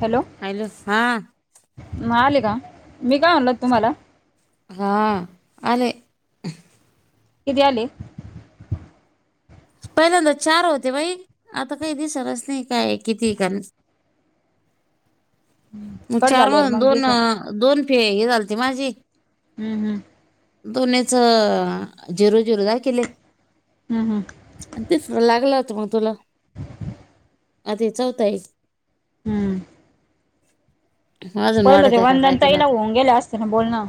Hello. Hello हा. मग आली का? मी काय म्हणल तुम्हाला? हा आणि कीती आले? पहिल्यांदा चार होते बाई आता काही दिसणाच काय किती काण म कट चार झाल्यावर मधुन मग दोन दिसन दोन फे हे झालते माझे. हम्म हं. दोन्हीच झिरो झिरो दाखीले. हम्म हम. अन् तिसरं लागलं होता मग तुला अता हे चौथा ये. हम्म. अजून पहिलं ते वाढत आहे का काय वंदन ताईला कोणात? होऊन गेले असते ना बोलणं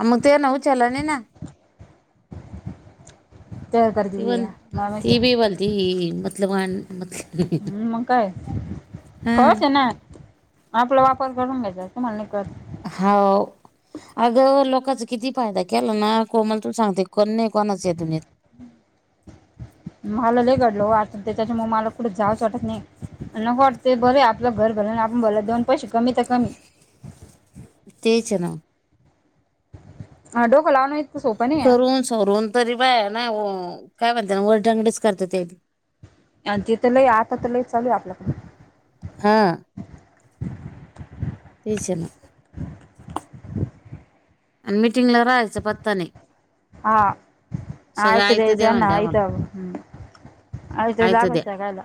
आ मग तेना ऊचाला नाई ना? चौदा तारखेच घ्या [unintelligible] ते मतलब वान हं मग काय कवाच्यान आपला वापर करून घ्यायचा. तुम्हाला नाही कळत. हाव. अगं लोकांचा किती फायदा केला ना कोमल तूला सांगते कोण नाही कोणाच या दुनियेत. [inaudible] मला लय घडलं आ त्याच्या मुळ मला कुठं जावचं वाटत नाही नको वाटतं ते बरे आपलं घर भलं आपण भलं दोन पैशे कमी तर कमी. तेच आहे नाव हा डोक लाव नये. करून सवरून तरी बाई ना ओ काय म्हणते ना वर टागडीच करतात. आणि तिथ लय आता तर लयच चालू आहे आपल्या हा. तेच आहे ना. [inaudible] आणि मिटिंगला राहायचं पत्ता नाही. हा सगळं आयतं द्यायचा द्या यांना म्हणते आयत आम्हाला हम्म. आयत लागायच खायला.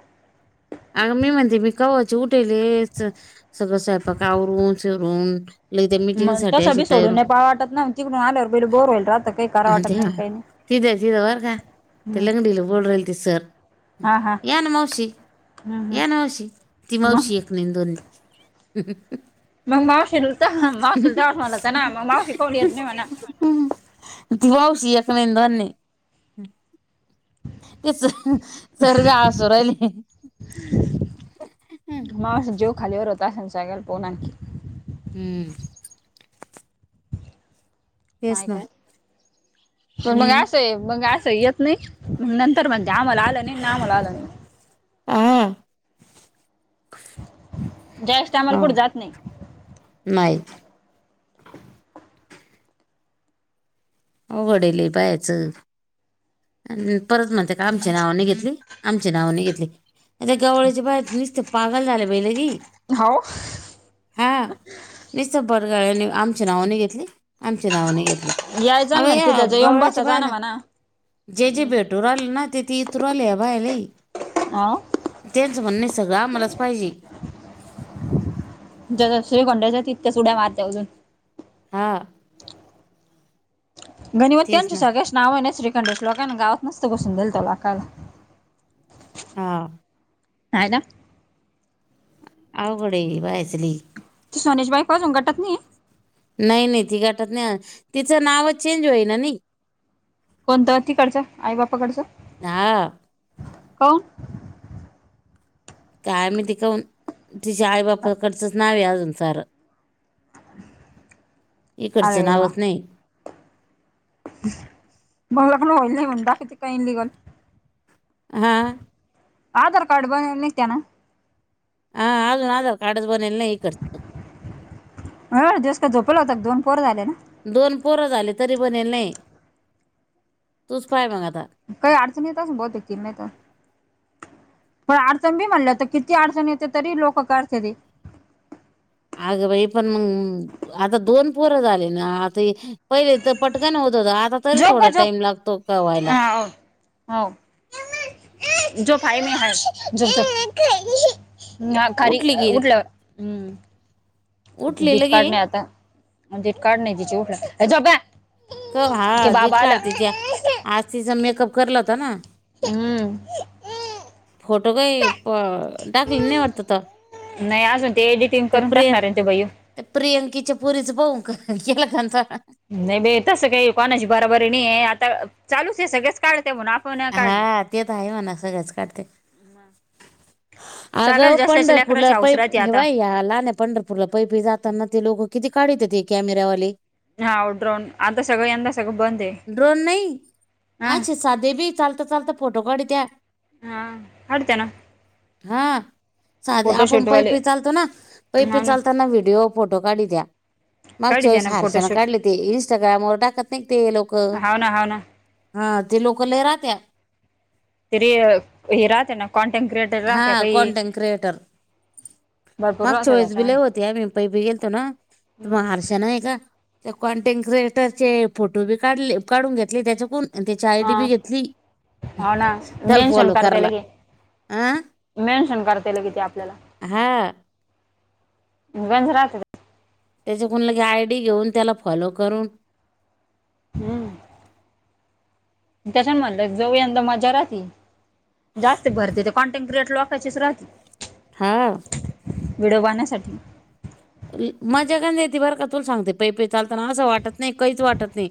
अग मी म्हणते मी कव्हाचे उठेलेच. सगळं स्वयंपाक आवरून सवरून मग त्या सगळी सोडून नाही पहाव वाटत ना. तिकडून आल्यावर पहिल बोर होईल. आता काही कराव आणि वाटत ते हा, नाही. काही नाही. तिथं तिथं बरं का ते हम्म लंगडीला बोलुन राहिले ते सर हा हा या ना मावशी, हम् हम या ना मावशी, ती मग मावशी एक तेनं दोन मग मावशीला मावशला जा म्हणा ना मग मावशी कोण येत नाही म्हणा. हं. ती मावशी एक नाही ना दोन नाही. तेच सर बी हासुन राहिले. मावशी जोक खालीवर होता. यांच्या घरी कोण आहे. ह. तेच हाय ना काय. पण मग हम्म. असं आहे. मग असं येत नाही मग नंतर म्हणते, आम्हाला आलं नाही ना आम्हाला आलं नाही. आ. जायच्या टायमाला कुठ जात नाही. नाहीत. अवघड आहे लई पायाच. आणि परत म्हणत्यात, आमची नाव नाही घेतली. आमची नाव नाही घेतली. त्या गवळ्याची बाई नुसतं पागल झाले. पाहिले की हो. हां. नुसतं पण गळ्याने आमची नाव नाही घेतली. आमची नाव नाही घेतली. यायचं ना अगं या म्हणते त्याच्या येऊन गवळ्याच्या बसायचा ना बायला म्हणा जे जे हम्म भेटू राहिल ना. ते ते इतरू राहिल्या बाया लई. हा. त्यांचं म्हणणे सगळं आम्हालाच पाहिजे. जरा श्री गोंड्याच्या तिथक्याच उड्या मारते अजून हा. गनिमत तेच त्यांच्या ना सगळ्याच नावाने श्रीखंडेश लोकांना गावात नसतं बसून दिलत लोकाला. हा. हाय ना. अवघड आहे बायाचं लई. सोन्याची बायको आहे ना गटात नाही. नाही नाही ती गटात नाही. तिचं नावच चेंज होईल ना नाही. कोणत तिकडचं आई बापाकडचं. हा हो. काय माहिती कौन तिच्या आई बापाकडचंच नाव अजून सार. इकडचं अरे नावच नाही. बंगला पण होईल नाही बाकीच काही इन लीगल. हा. आधार कार्ड बनून निघतना. हा अजून आधार कार्ड बनविलं नाही इकडचं. हा. दिवस का झोपल होता दोन पोर झाले ना. दोन पोरं झाली तरी बनेल नाही. तूच पाय मग आता. काही अडचण येत असेल बहुतेक तिला नाही का. पण अडचण बी म्हणले तर किती अडचण येते तरी लोक काढत्याती. अगं बाई पण मग आता दोन पोरं झाले ना आता पहिले तर पटकान होत होत आता तरी झोप थोडा गं झोप टाइम लागतो कवा हायला हा हो हो हम्म उठली की त उठली दीट लगे काढणे आता दीट काढ नाही तिच्या उठला क हा ते दीट बाबा आला काढ तिच्या आज तिचां मेकअप करला होता ना हम्म फोटो काही प टाकले नाही वाटतं तर नाही अजून ते एडिटिंग करून टाकणार आहे ते भाई ते प्रियांकीेच्या पुरीच पाऊ का केला त्यांचा नाही बे तसं काही कोणाची बराबरी नाही आता चालूच आहे सगळच काढते म्हणा हा ते तर आहे म्हणा सगळेच काढतेत मग अगा पंढरपूरला प राहते आता हेवा या लाहनात पंढरपूरला पैपी जाताना ते लोक किती काढतते कॅमेऱवाले हा ड्रन आता सगळ यंदा सगळं बंद आहे. ड्रोन नाही हा अच्छा साधेबी चालता चालता फोटो काढ त्या हा वाडतेना हां साधे आपण फोटोशूटवाले पैपी चालतो ना पैपी हा ना चालताना व्हिडीिओ फोटो काढी द्या. माग काढते चॉईस ना हारशन फोटोशूट काढली ते इंस्टाग्रामवर टाकत नाही ते लोक हाव ना हाव ना हा ते लोक लय राहत्या. तिरी हराहात ना कॉनटें क्रिएट [inaudible] हा कॉनटेंट क्रिएटर भरपूर मग राहत्या चोईस बिले त्याच्यामध्ये. होती मी पई बी गेलतो ना तु हम्म. म हरश नाही का [unintelligible] त्या कॉन्टेंट क्रिएटरचे फोटो बी काढले काढून घेतले त्याच्या कोण. आणि ते आयडी हा बी घेतली हो ना त्याल फॉलो करायला. आ मेनशन करताल किती आपल्याला हा त्याच्या कुणाला आयडी घेऊन त्याला फॉलो करून हम्म त्याच्यान म्हटलं जवळ यंदा मजाहती जास्त भरते ते कॉन्टेंट क्रिएयट हची सुरवात हां व्हिडिओ बनवण्या साठी मजा क येते बरं का तुला सांगते पैपे चालताना असं वाटतं नाही काहीच वाटतं नाही.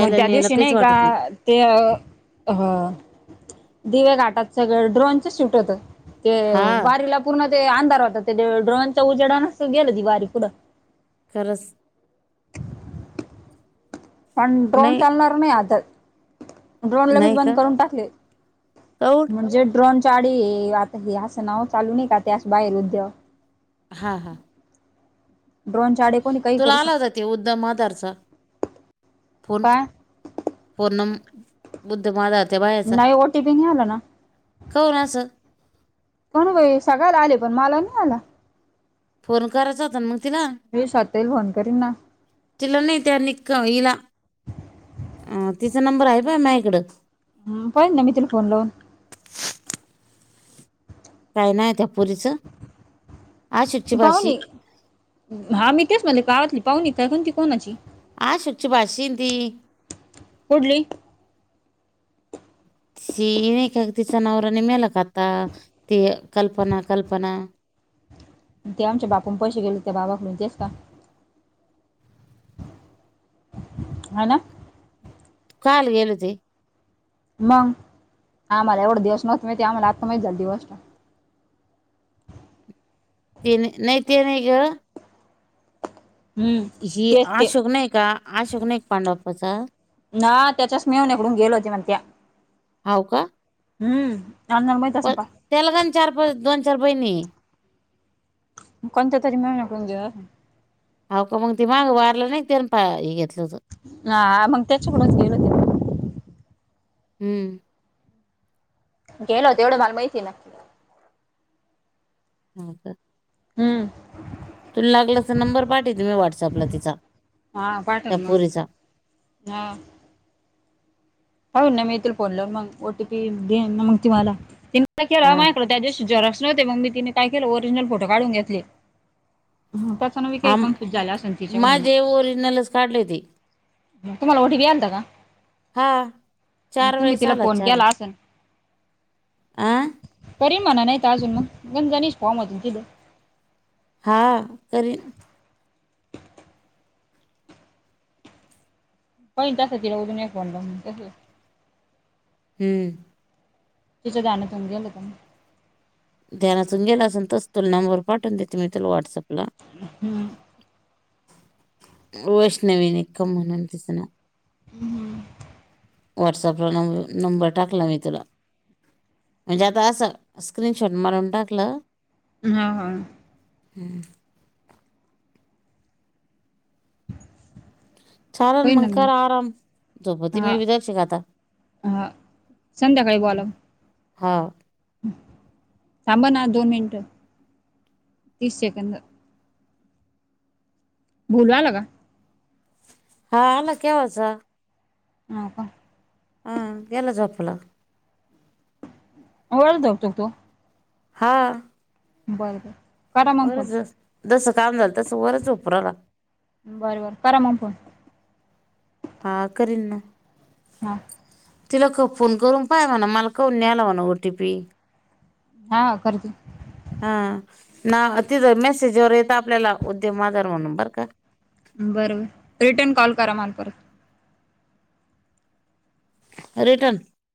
मग त्या न्यायला दिवशी काहीच नाही का वाटत ते अ दिवे घाटात सगळं ड्रोनच शुट होत. ते हा वारीला पूर्ण ते अंधार होतात ते ड्रोनच्या उजेडाच गेलं ती वारी पुढं खरंच पण ड्रोन नाही चालणार नाही आता. ड्रोन लगेच नाही बंद का करून टाक कौड म्हणजे शचाडी आता हे असं नाव चालू नाही का त्या बाहेर उद्यो हां हां ड्रोन तुला आला जाते उद्धम मदारचा फोन काय पूर्णम बुद्धमादाद. नाही ओ टीफीन नेला ना. काहून असं पण बये सगळयाला आले पण मला नाही आला. फोन करायच होताना मंग तिला [unintelligible] फोन करीन ना तिला नाही त्या निक हिला अ तिचा नंबर आहे प माझ्याकड. हम पाहिल ना मी तिला फोन लावून काय नाय त्या पोरीच ती पाहुणी हा मी तेच म्हणले गावातली पाहुनी काय कोणती कोणाची आशुची भाचीन ती कुठली? सी नाय का ती तिचा नवरा नाय का मेला आता ते कल्पना कल्पना. ते आमच्या बापून पैसे गेले त्या बाबाकडून तेच का? हो ना. काल गेलोते. मंग आम्हाला एवढा दिवस माहिती नव्हत आम्हाला आत्ता माहीत झाली ती गोष्ट. ते नाही ते नाही ग हम्म हि तेच ते आशोक नाही का आशोक नाही पांडू आप्पाचा ना त्याच्याच मेहुणी कडून गेल होते म्हणत्या हाव का हमम. [unintelligible] त्यालापण चार पाच दोन चार बहिणीये. कोणत्या तरी [unintelligible] आहो का मंग ते मंग वारल नाईका त्या फा हे घेतलं होत. हा मग त्याच्याकडच गेलो होतो. हमम. गेलो तेवढं मला माहितीये ना. ह का [unintelligible] हमम. तुला लागल त नंबर पाठीवते मी व्हॉट्सअपला तिचा हा पाठवल त्या मग पोरीचा. हा. हो ना मी येथून फोन लावीन मंग ओटी पी देईन ना मग मला तर केला हा माझ्याकड त्या दिवशी झेरॉक्स नव्हते मग मी तिने काय केले ओरिजिनल फोटो काढून घेतले. त्याचा ना वी काही हा म- कनफ्युज झालं असेल तिच्याकडून मग काढली होती. तुम्हाला ओ टी पी आलता का? हा चार तुम्ही वेळेस तिला आला फोन चार केला असेन. आ परि म्हणे नाहीत अजून मग गणवेश फॉर्म आहेत तिथं. हा करीन. होईल तसे ती बाई फोन लावून देईल तसे हमम. तिच गाण कोण गेल गाऊन ध्यानातून गेलं असेल तस तुला नंबर पाठवून देते मी तुला व्हॉट्सअपला हमम. वैष्णवी निकम म्हणून तिच नाव. हमम. व्हॉटसअपला न-नंबर टाकला मी तुला. म्हणजे आता असं स्क्रीनशॉट मारून टाकलं. ह्म ह्म. ह [inaudible] चालल होई मग ना मी करा आराम, झोपती हा मी बी दराशिक आता. हा. संध्याकाळी बोला. ह्म. थांब ना दोन मिनिट, तीस सेकंद. भोलू आला का? हा आला केव्हाचा. हां का. ह्म गेलं झोपलं. वर झोपतो तो. हां. बर बर. करा मग फोन वरच जस काम झालं, तस वरच झोपू रायला. बर बर, करा मग फोन. हा करींना. ह्म. तिलाक फोन करून पाय, म्हणा मला कामून नई आला ओटीपी? हा करते. हा ना तिथं मेसेजवर येत आपल्याला, उद्यम आधार म्हणून, बरं का. बर बर, रिटर्न कॉल करा मला परत. रिटन?